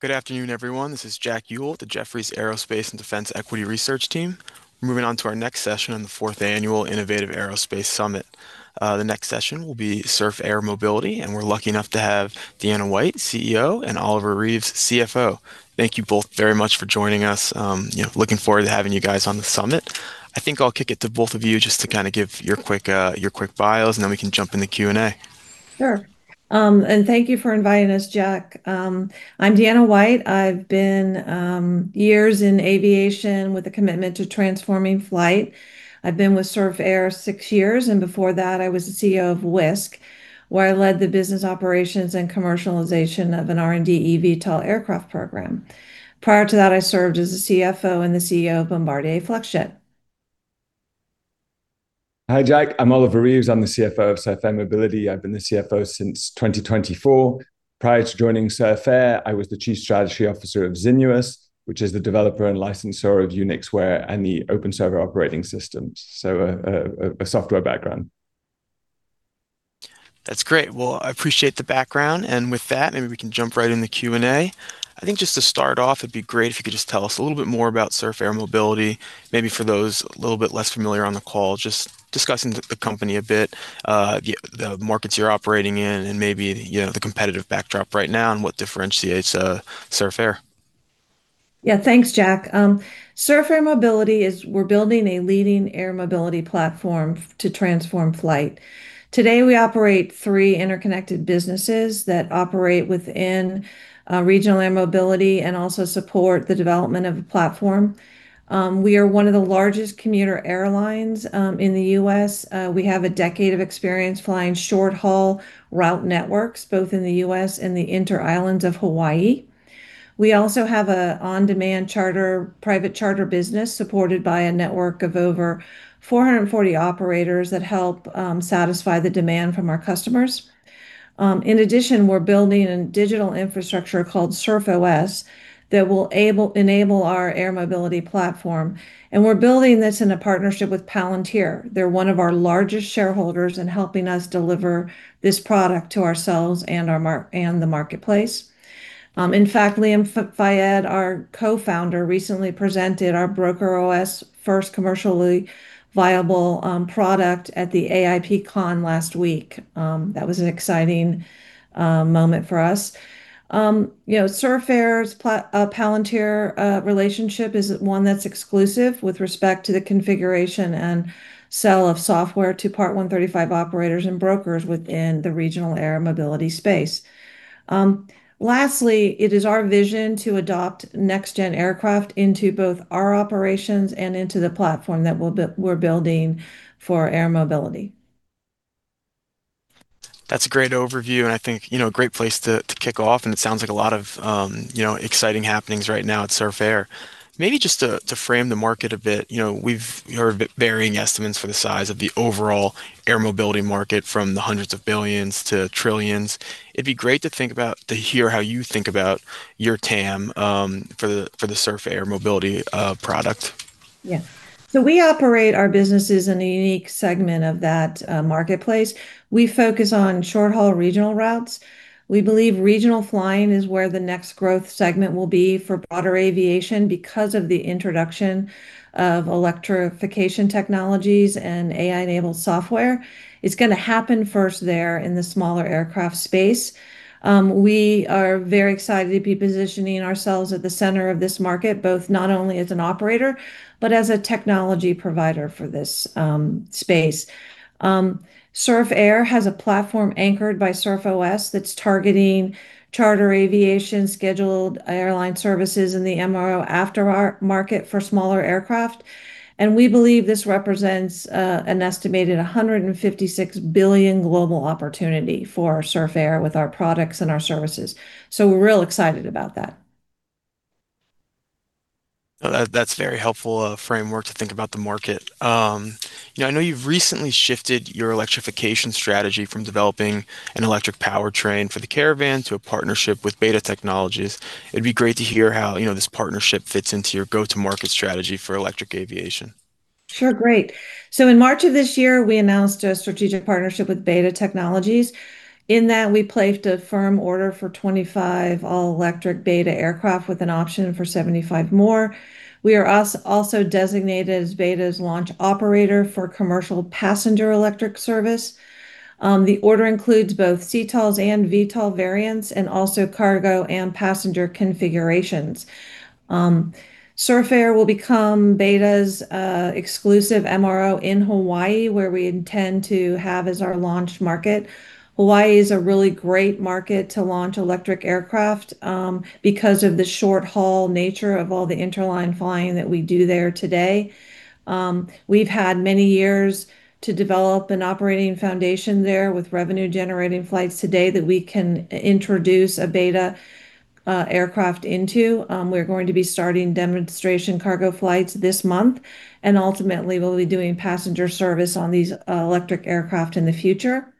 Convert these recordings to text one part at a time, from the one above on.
Good afternoon, everyone. This is Jack Uhl at the Jefferies Aerospace and Defense Equity Research Team. We're moving on to our next session on the fourth annual Jefferies Innovative Aerospace Virtual Summit. The next session will be Surf Air Mobility, and we're lucky enough to have Deanna White, CEO, and Oliver Reeves, CFO. Thank you both very much for joining us. Looking forward to having you guys on the summit. I think I'll kick it to both of you just to give your quick bios, and then we can jump in the Q&A. Sure. Thank you for inviting us, Jack. I'm Deanna White. I've been years in aviation with a commitment to transforming flight. I've been with Surf Air six years, and before that, I was the CEO of Wisk, where I led the business operations and commercialization of an R&D eVTOL aircraft program. Prior to that, I served as the CFO and the CEO of Bombardier Flexjet. Hi, Jack. I'm Oliver Reeves. I'm the CFO of Surf Air Mobility. I've been the CFO since 2024. Prior to joining Surf Air, I was the chief strategy officer of Xinuos, which is the developer and licensor of UnixWare and the OpenServer operating systems, a software background. That's great. Well, I appreciate the background, with that, maybe we can jump right in the Q&A. I think just to start off, it'd be great if you could just tell us a little bit more about Surf Air Mobility, maybe for those a little bit less familiar on the call, just discussing the company a bit, the markets you're operating in, and maybe the competitive backdrop right now and what differentiates Surf Air. Thanks, Jack. Surf Air Mobility is building a leading air mobility platform to transform flight. Today, we operate three interconnected businesses that operate within regional air mobility and also support the development of a platform. We are one of the largest commuter airlines in the U.S. We have a decade of experience flying short-haul route networks, both in the U.S. and the inter-islands of Hawaii. We also have an on-demand private charter business supported by a network of over 440 operators that help satisfy the demand from our customers. In addition, we're building a digital infrastructure called SurfOS that will enable our air mobility platform, and we're building this in a partnership with Palantir. They're one of our largest shareholders in helping us deliver this product to ourselves and the marketplace. In fact, Liam Fayed, our co-founder, recently presented our BrokerOS first commercially viable product at the AIPCon last week. That was an exciting moment for us. Surf Air's Palantir relationship is one that's exclusive with respect to the configuration and sell of software to Part 135 operators and brokers within the regional air mobility space. Lastly, it is our vision to adopt next-gen aircraft into both our operations and into the platform that we're building for air mobility. That's a great overview, I think a great place to kick off, and it sounds like a lot of exciting happenings right now at Surf Air. Maybe just to frame the market a bit, we've heard varying estimates for the size of the overall air mobility market from the hundreds of billions to trillions. It'd be great to hear how you think about your TAM for the Surf Air Mobility product. We operate our businesses in a unique segment of that marketplace. We focus on short-haul regional routes. We believe regional flying is where the next growth segment will be for broader aviation because of the introduction of electrification technologies and AI-enabled software. It's going to happen first there in the smaller aircraft space. We are very excited to be positioning ourselves at the center of this market, both not only as an operator, but as a technology provider for this space. Surf Air has a platform anchored by SurfOS that's targeting charter aviation, scheduled airline services in the MRO aftermarket for smaller aircraft, and we believe this represents an estimated $156 billion global opportunity for Surf Air with our products and our services. We're real excited about that. That's a very helpful framework to think about the market. I know you've recently shifted your electrification strategy from developing an electric powertrain for the Caravan to a partnership with Beta Technologies. It'd be great to hear how this partnership fits into your go-to-market strategy for electric aviation. Sure, great. In March of this year, we announced a strategic partnership with Beta Technologies. In that, we placed a firm order for 25 all-electric Beta aircraft with an option for 75 more. We are also designated as Beta's launch operator for commercial passenger electric service. The order includes both CTOLs and VTOL variants and also cargo and passenger configurations. Surf Air will become Beta's exclusive MRO in Hawaii, where we intend to have as our launch market. Hawaii is a really great market to launch electric aircraft because of the short-haul nature of all the interline flying that we do there today. We've had many years to develop an operating foundation there with revenue-generating flights today that we can introduce a Beta aircraft into. We're going to be starting demonstration cargo flights this month, and ultimately, we'll be doing passenger service on these electric aircraft in the future.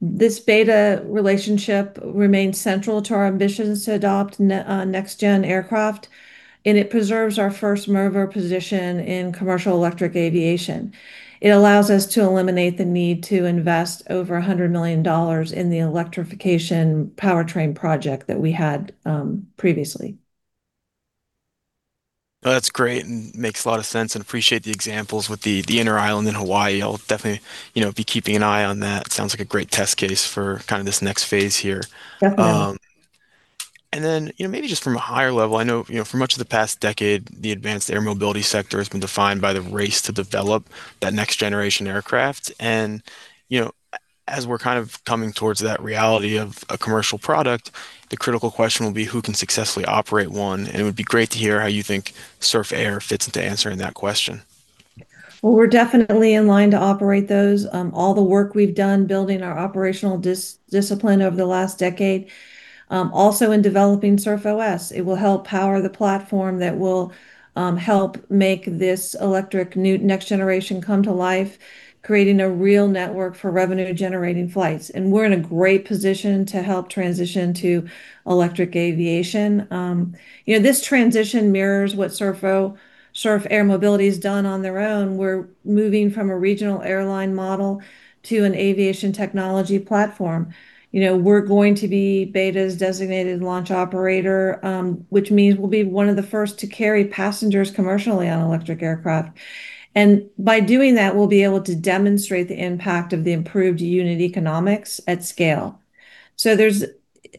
This Beta relationship remains central to our ambitions to adopt next-gen aircraft. It preserves our first-mover position in commercial electric aviation. It allows us to eliminate the need to invest over $100 million in the electrification powertrain project that we had previously. That's great, and makes a lot of sense, and appreciate the examples with the inner island in Hawaii. I'll definitely be keeping an eye on that. Sounds like a great test case for this next phase here. Definitely. maybe just from a higher level, I know for much of the past decade, the advanced air mobility sector has been defined by the race to develop that next-generation aircraft. As we're coming towards that reality of a commercial product, the critical question will be who can successfully operate one? It would be great to hear how you think Surf Air fits into answering that question. Well, we're definitely in line to operate those. All the work we've done building our operational discipline over the last decade. Also in developing SurfOS. It will help power the platform that will help make this electric next generation come to life, creating a real network for revenue-generating flights. We're in a great position to help transition to electric aviation. This transition mirrors what Surf Air Mobility has done on their own. We're moving from a regional airline model to an aviation technology platform. We're going to be Beta's designated launch operator, which means we'll be one of the first to carry passengers commercially on electric aircraft. By doing that, we'll be able to demonstrate the impact of the improved unit economics at scale.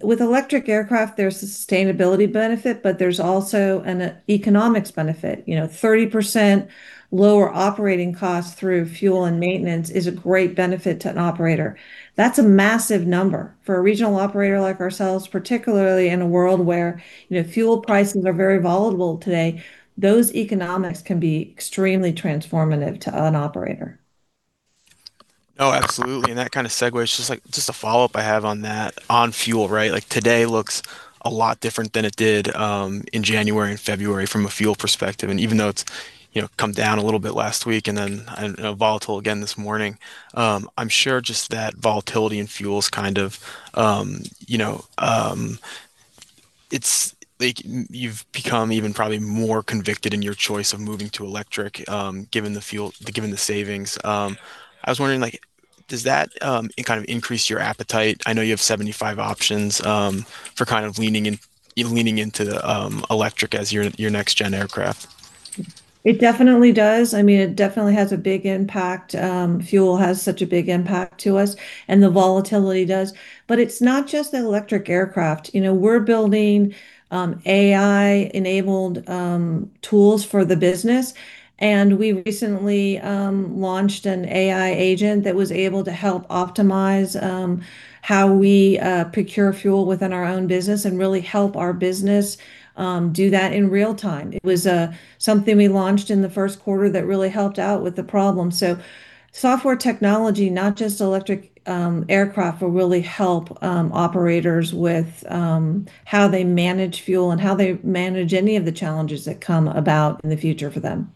With electric aircraft, there's a sustainability benefit, but there's also an economics benefit. 30% lower operating costs through fuel and maintenance is a great benefit to an operator. That's a massive number for a regional operator like ourselves, particularly in a world where fuel prices are very volatile today. Those economics can be extremely transformative to an operator. Oh, absolutely. That kind of segues just a follow-up I have on that, on fuel, right? Today looks a lot different than it did in January and February from a fuel perspective. Even though it's come down a little bit last week, then volatile again this morning, I'm sure just that volatility in fuels, you've become even probably more convicted in your choice of moving to electric, given the savings. I was wondering, does that increase your appetite, I know you have 75 options, for leaning into electric as your next-gen aircraft? It definitely does. It definitely has a big impact. Fuel has such a big impact to us, and the volatility does. It's not just the electric aircraft. We're building AI-enabled tools for the business, and we recently launched an AI agent that was able to help optimize how we procure fuel within our own business and really help our business do that in real time. It was something we launched in the first quarter that really helped out with the problem. Software technology, not just electric aircraft, will really help operators with how they manage fuel and how they manage any of the challenges that come about in the future for them.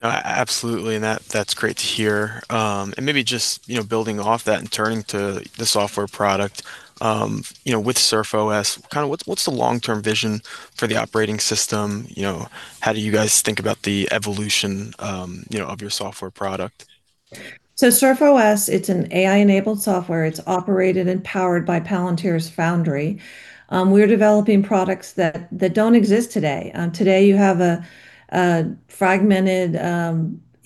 Absolutely. That's great to hear. Maybe just building off that and turning to the software product. With SurfOS, what's the long-term vision for the operating system? How do you guys think about the evolution of your software product? SurfOS, it's an AI-enabled software. It's operated and powered by Palantir's Foundry. We're developing products that don't exist today. Today, you have a fragmented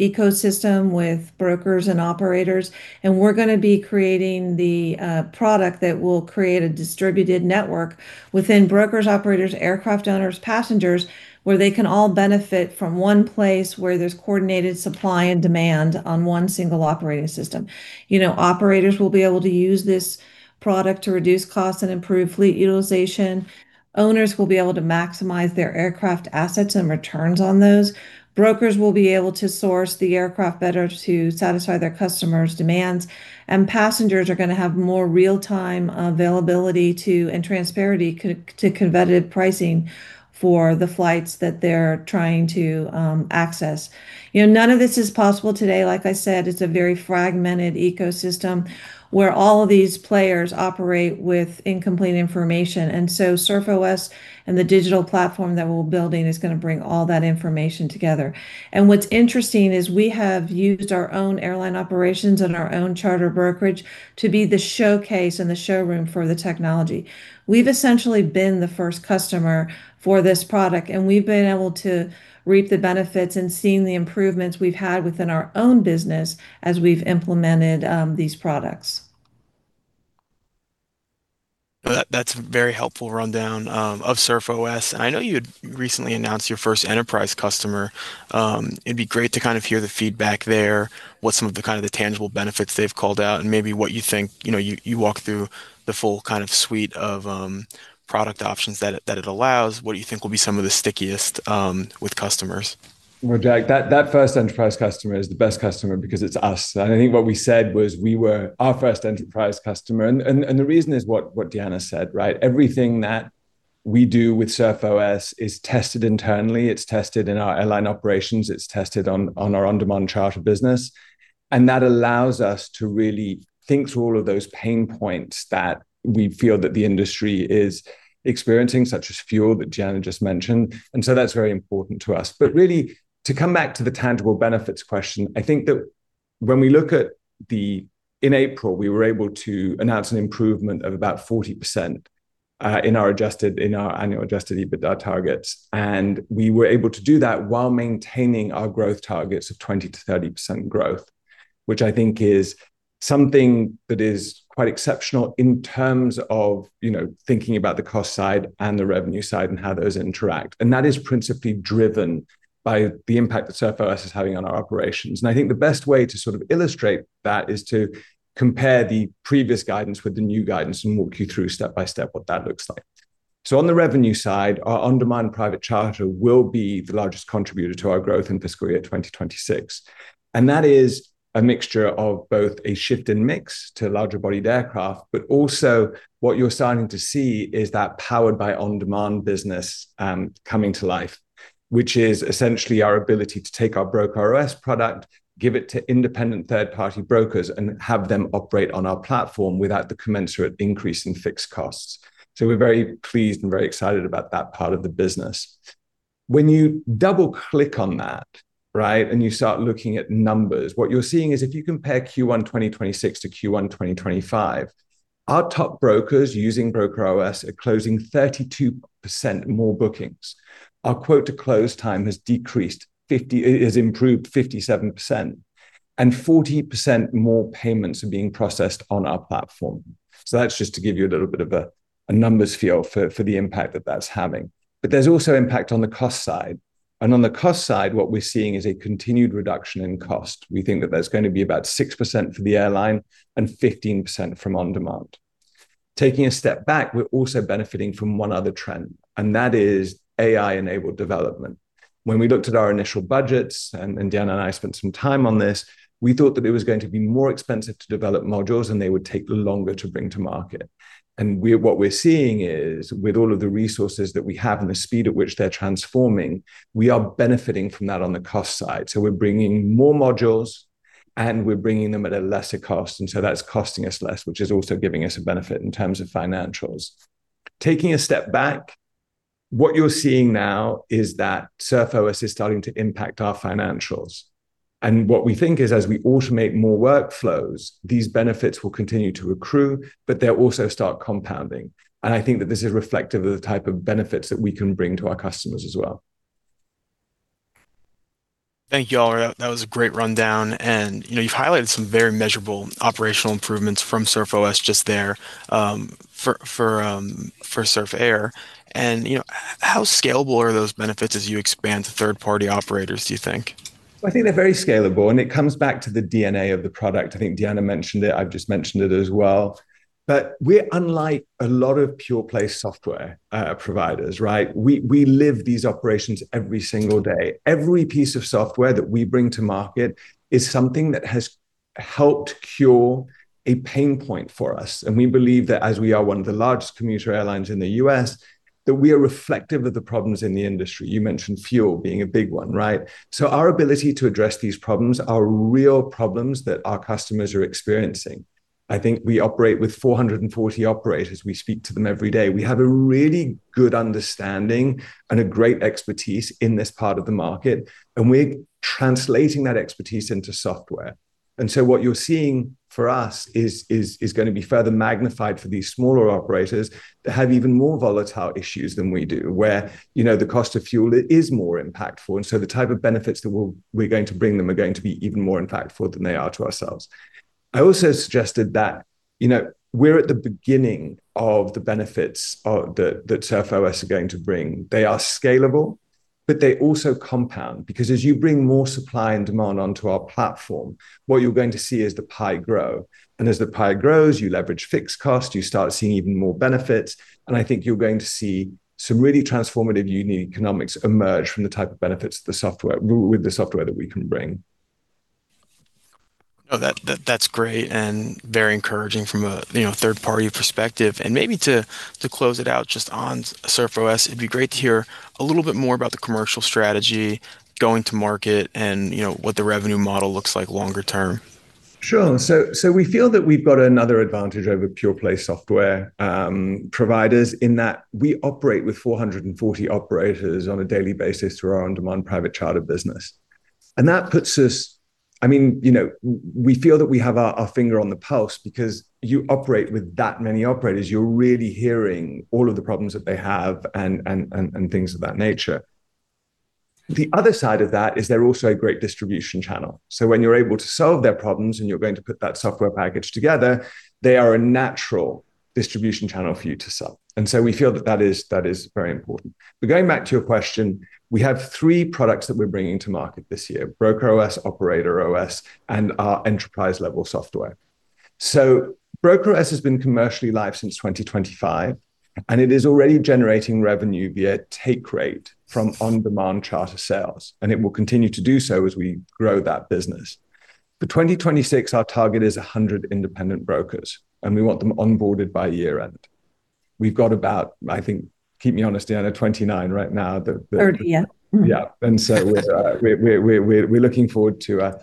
ecosystem with brokers and operators, we're going to be creating the product that will create a distributed network within brokers, operators, aircraft owners, passengers, where they can all benefit from one place where there's coordinated supply and demand on one single operating system. Operators will be able to use this product to reduce costs and improve fleet utilization. Owners will be able to maximize their aircraft assets and returns on those. Brokers will be able to source the aircraft better to satisfy their customers' demands. Passengers are going to have more real-time availability to, and transparency to competitive pricing for the flights that they're trying to access. None of this is possible today. Like I said, it's a very fragmented ecosystem where all of these players operate with incomplete information. SurfOS and the digital platform that we're building is going to bring all that information together. What's interesting is we have used our own airline operations and our own charter brokerage to be the showcase and the showroom for the technology. We've essentially been the first customer for this product, and we've been able to reap the benefits and seen the improvements we've had within our own business as we've implemented these products. That's a very helpful rundown of SurfOS. I know you had recently announced your first enterprise customer. It'd be great to hear the feedback there, what some of the tangible benefits they've called out, and maybe what you think, you walk through the full suite of product options that it allows, what do you think will be some of the stickiest with customers? Well, Jack, that first enterprise customer is the best customer because it's us. I think what we said was we were our first enterprise customer. The reason is what Deanna said, right? Everything that we do with SurfOS is tested internally. It's tested in our airline operations. It's tested on our on-demand charter business. That allows us to really think through all of those pain points that we feel that the industry is experiencing, such as fuel that Deanna just mentioned. That's very important to us. Really, to come back to the tangible benefits question, in April, we were able to announce an improvement of about 40% in our annual adjusted EBITDA targets. We were able to do that while maintaining our growth targets of 20% to 30% growth, which I think is something that is quite exceptional in terms of thinking about the cost side and the revenue side and how those interact. That is principally driven by the impact that SurfOS is having on our operations. I think the best way to illustrate that is to compare the previous guidance with the new guidance and walk you through step by step what that looks like. On the revenue side, our on-demand private charter will be the largest contributor to our growth in fiscal year 2026, that is a mixture of both a shift in mix to larger bodied aircraft, but also what you're starting to see is that powered by on-demand business coming to life, which is essentially our ability to take our BrokerOS product, give it to independent third party brokers, and have them operate on our platform without the commensurate increase in fixed costs. We're very pleased and very excited about that part of the business. When you double click on that, right, you start looking at numbers, what you're seeing is if you compare Q1 2026 to Q1 2025, our top brokers using BrokerOS are closing 32% more bookings. Our quote to close time has improved 57%, 40% more payments are being processed on our platform. That's just to give you a little bit of a numbers feel for the impact that that's having. There's also impact on the cost side. On the cost side, what we're seeing is a continued reduction in cost. We think that there's going to be about 6% for the airline and 15% from on-demand. Taking a step back, we're also benefiting from one other trend, that is AI-enabled development. When we looked at our initial budgets, Deanna and I spent some time on this, we thought that it was going to be more expensive to develop modules, and they would take longer to bring to market. What we're seeing is with all of the resources that we have and the speed at which they're transforming, we are benefiting from that on the cost side. We're bringing more modules and we're bringing them at a lesser cost. That's costing us less, which is also giving us a benefit in terms of financials. Taking a step back, what you're seeing now is that SurfOS is starting to impact our financials. What we think is as we automate more workflows, these benefits will continue to accrue, but they'll also start compounding. I think that this is reflective of the type of benefits that we can bring to our customers as well. Thank you, Oliver. That was a great rundown. You've highlighted some very measurable operational improvements from SurfOS just there, for Surf Air. How scalable are those benefits as you expand to third party operators, do you think? I think they're very scalable, it comes back to the DNA of the product. I think Deanna mentioned it. I've just mentioned it as well. We're unlike a lot of pure play software providers, right? We live these operations every single day. Every piece of software that we bring to market is something that has helped cure a pain point for us. We believe that as we are one of the largest commuter airlines in the U.S., that we are reflective of the problems in the industry. You mentioned fuel being a big one, right? Our ability to address these problems are real problems that our customers are experiencing. I think we operate with 440 operators. We speak to them every day. We have a really good understanding and a great expertise in this part of the market, and we're translating that expertise into software. What you're seeing for us is going to be further magnified for these smaller operators that have even more volatile issues than we do, where the cost of fuel is more impactful. The type of benefits that we're going to bring them are going to be even more impactful than they are to ourselves. I also suggested that we're at the beginning of the benefits that SurfOS are going to bring. They are scalable, but they also compound because as you bring more supply and demand onto our platform, what you're going to see is the pie grow. As the pie grows, you leverage fixed cost, you start seeing even more benefits, and I think you're going to see some really transformative unique economics emerge from the type of benefits with the software that we can bring. No, that's great and very encouraging from a third party perspective. Maybe to close it out just on SurfOS, it'd be great to hear a little bit more about the commercial strategy going to market and what the revenue model looks like longer term. Sure. We feel that we've got another advantage over pure play software providers in that we operate with 440 operators on a daily basis through our on-demand private charter business. We feel that we have our finger on the pulse because you operate with that many operators, you're really hearing all of the problems that they have and things of that nature. The other side of that is they're also a great distribution channel. When you're able to solve their problems and you're going to put that software package together, they are a natural distribution channel for you to sell. We feel that that is very important. Going back to your question, we have three products that we're bringing to market this year, BrokerOS, OperatorOS, and our enterprise level software. BrokerOS has been commercially live since 2025, and it is already generating revenue via take rate from on-demand charter sales, and it will continue to do so as we grow that business. For 2026, our target is 100 independent brokers, and we want them onboarded by year end. We've got about, I think, keep me honest, Deanna, 29 right now that- 30, yeah. Yeah. We're looking forward to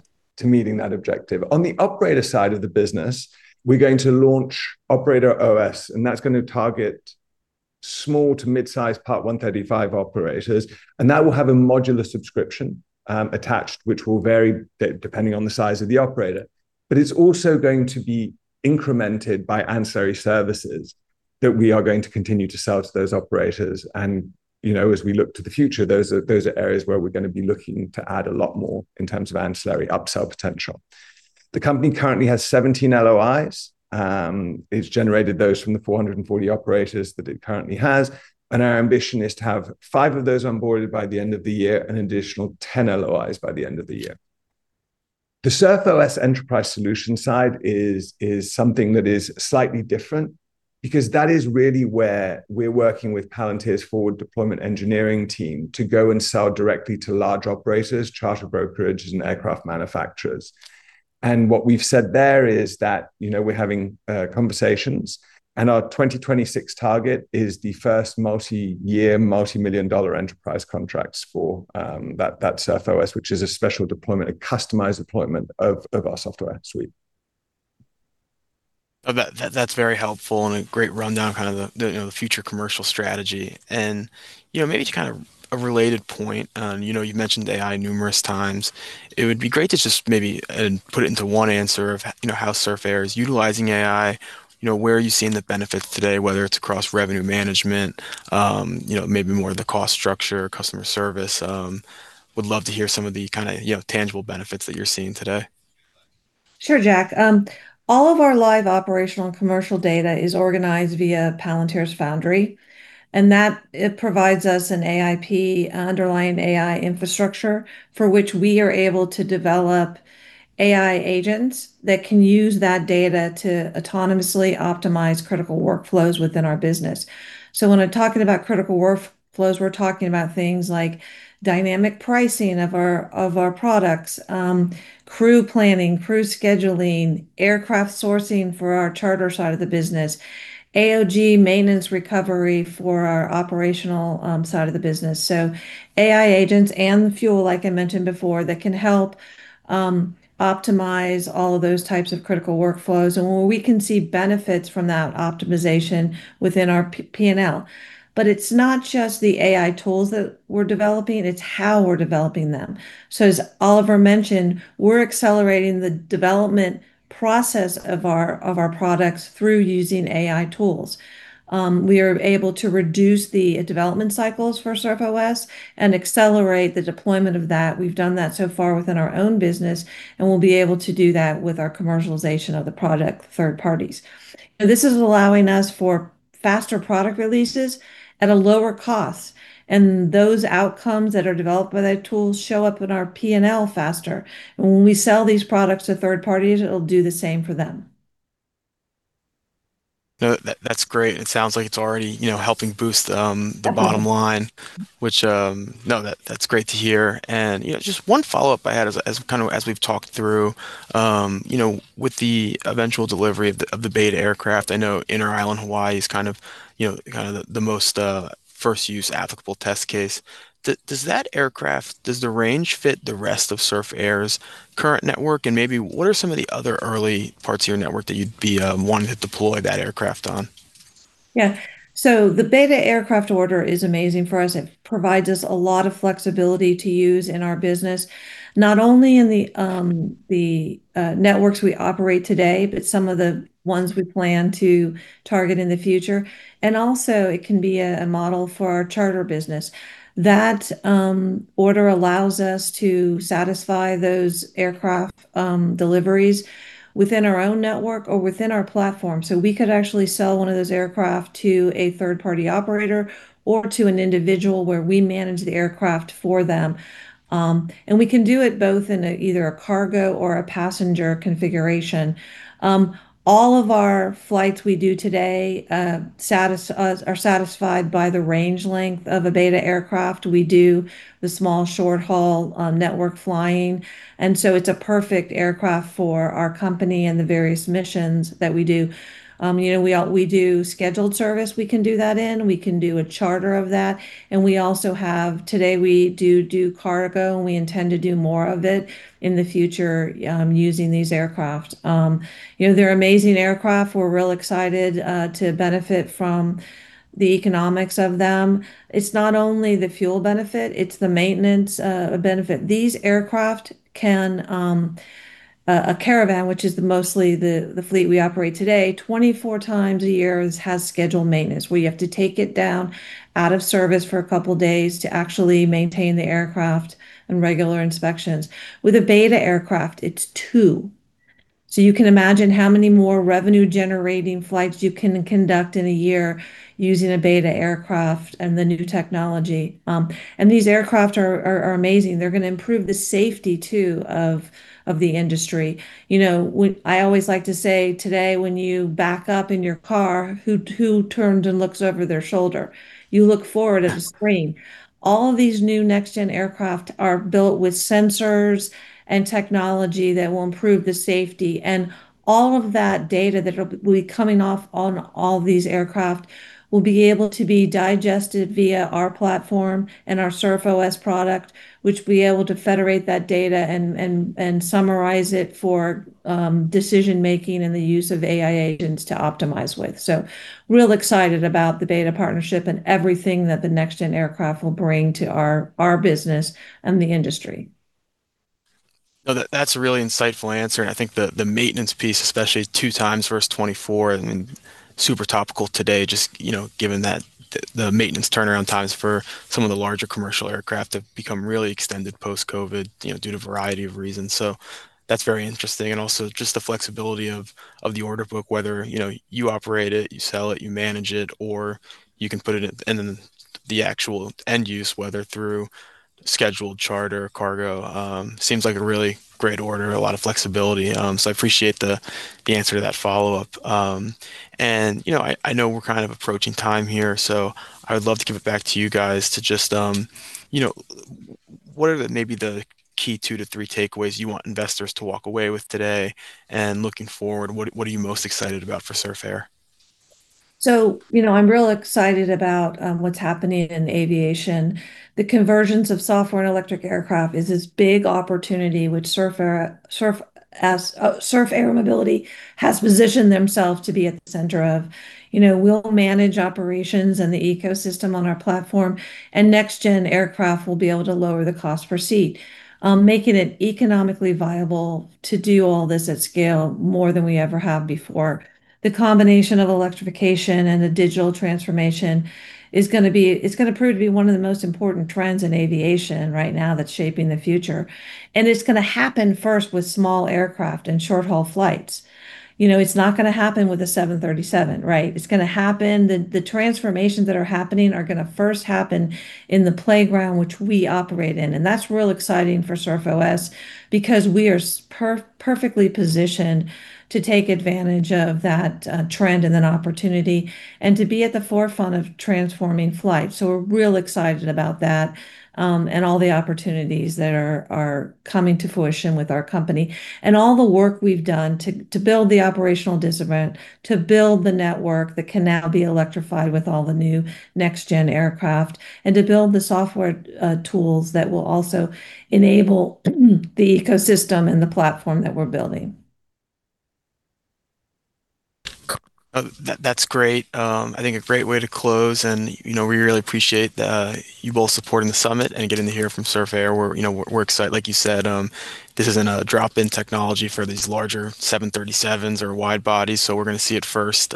meeting that objective. On the operator side of the business, we're going to launch OperatorOS, that's going to target small to mid-size Part 135 operators, that will have a modular subscription attached, which will vary depending on the size of the operator. It's also going to be incremented by ancillary services that we are going to continue to sell to those operators. As we look to the future, those are areas where we're going to be looking to add a lot more in terms of ancillary upsell potential. The company currently has 17 LOIs. It's generated those from the 440 operators that it currently has, and our ambition is to have five of those onboarded by the end of the year, an additional 10 LOIs by the end of the year. The SurfOS enterprise solution side is something that is slightly different, because that is really where we're working with Palantir's Forward Deployment Engineering team to go and sell directly to large operators, charter brokerages, and aircraft manufacturers. What we've said there is that we're having conversations, our 2026 target is the first multi-year, multi-million dollar enterprise contracts for that SurfOS, which is a special deployment, a customized deployment of our software suite. That's very helpful and a great rundown, the future commercial strategy. Maybe to a related point, you mentioned AI numerous times. It would be great to just maybe put it into one answer of how Surf Air is utilizing AI. Where are you seeing the benefits today, whether it's across revenue management, maybe more the cost structure, customer service? Would love to hear some of the tangible benefits that you're seeing today. Sure, Jack. All of our live operational and commercial data is organized via Palantir's Foundry, and that provides us an AIP, underlying AI infrastructure, for which we are able to develop AI agents that can use that data to autonomously optimize critical workflows within our business. When I'm talking about critical workflows, we're talking about things like dynamic pricing of our products, crew planning, crew scheduling, aircraft sourcing for our charter side of the business, AOG maintenance recovery for our operational side of the business. AI agents and the fuel, like I mentioned before, that can help optimize all of those types of critical workflows, and where we can see benefits from that optimization within our P&L. It's not just the AI tools that we're developing, it's how we're developing them. As Oliver mentioned, we're accelerating the development process of our products through using AI tools. We are able to reduce the development cycles for SurfOS and accelerate the deployment of that. We've done that so far within our own business, and we'll be able to do that with our commercialization of the product third parties. This is allowing us for faster product releases at a lower cost, and those outcomes that are developed by the tools show up in our P&L faster. When we sell these products to third parties, it'll do the same for them. No, that's great, and it sounds like it's already helping. Definitely the bottom line. No, that's great to hear. Just one follow-up I had as we've talked through with the eventual delivery of the Beta aircraft, I know Inter-Island Hawaii is the most first-use applicable test case. Does that aircraft, does the range fit the rest of Surf Air's current network, and maybe what are some of the other early parts of your network that you'd be wanting to deploy that aircraft on? The Beta aircraft order is amazing for us. It provides us a lot of flexibility to use in our business, not only in the networks we operate today, but some of the ones we plan to target in the future. Also it can be a model for our charter business. That order allows us to satisfy those aircraft deliveries within our own network or within our platform. We could actually sell one of those aircraft to a third-party operator or to an individual where we manage the aircraft for them. We can do it both in either a cargo or a passenger configuration. All of our flights we do today are satisfied by the range length of a Beta aircraft. We do the small short-haul network flying, it's a perfect aircraft for our company and the various missions that we do. We do scheduled service, we can do that, we can do a charter of that. We also have, today we do cargo, and we intend to do more of it in the future using these aircraft. They're amazing aircraft. We're real excited to benefit from the economics of them. It's not only the fuel benefit, it's the maintenance benefit. These aircraft can, a Caravan, which is mostly the fleet we operate today, 24 times a year has scheduled maintenance, where you have to take it down out of service for a couple of days to actually maintain the aircraft and regular inspections. With a Beta aircraft, it's two. You can imagine how many more revenue-generating flights you can conduct in a year using a Beta aircraft and the new technology. These aircraft are amazing. They're going to improve the safety, too, of the industry. I always like to say today, when you back up in your car, who turns and looks over their shoulder? You look forward at a screen. All these new next-gen aircraft are built with sensors and technology that will improve the safety. All of that data that will be coming off on all these aircraft will be able to be digested via our platform and our SurfOS product, which will be able to federate that data and summarize it for decision making and the use of AI agents to optimize with. I'm real excited about the Beta partnership and everything that the next-gen aircraft will bring to our business and the industry. No, that's a really insightful answer, I think the maintenance piece, especially two times versus 24, super topical today, just given that the maintenance turnaround times for some of the larger commercial aircraft have become really extended post-COVID due to a variety of reasons. That's very interesting. Also just the flexibility of the order book, whether you operate it, you sell it, you manage it, or you can put it in the actual end use, whether through scheduled charter or cargo, seems like a really great order, a lot of flexibility. I appreciate the answer to that follow-up. I know we're kind of approaching time here, so I would love to give it back to you guys to just, what are maybe the key two to three takeaways you want investors to walk away with today, and looking forward, what are you most excited about for Surf Air? I'm real excited about what's happening in aviation. The convergence of software and electric aircraft is this big opportunity which Surf Air Mobility has positioned themselves to be at the center of. We'll manage operations and the ecosystem on our platform, and next-gen aircraft will be able to lower the cost per seat, making it economically viable to do all this at scale more than we ever have before. The combination of electrification and the digital transformation is going to prove to be one of the most important trends in aviation right now that's shaping the future. It's going to happen first with small aircraft and short-haul flights. It's not going to happen with a 737, right? The transformations that are happening are going to first happen in the playground which we operate in, and that's real exciting for SurfOS because we are perfectly positioned to take advantage of that trend and that opportunity and to be at the forefront of transforming flight. We're real excited about that and all the opportunities that are coming to fruition with our company and all the work we've done to build the operational discipline, to build the network that can now be electrified with all the new next-gen aircraft, and to build the software tools that will also enable the ecosystem and the platform that we're building. That's great. I think a great way to close, and we really appreciate you both supporting the Summit and getting to hear from Surf Air. Like you said, this isn't a drop-in technology for these larger 737s or wide bodies, so we're going to see it first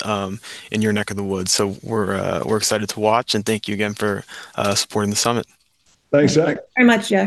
in your neck of the woods. We're excited to watch, and thank you again for supporting the Summit. Thanks, Jack. Very much.